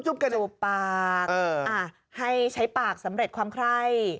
จบปากให้ใช้ปากสำเร็จความไข้